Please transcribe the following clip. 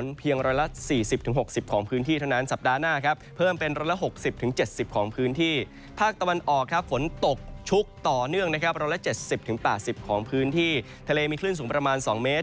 มีคลื่นสูงประมาณ๒เมตร